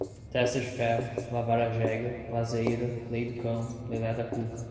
testa de ferro, lavar a jega, lazeira, lei do cão, lelé da cuca